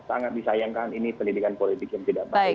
sangat disayangkan ini pendidikan politik yang tidak baik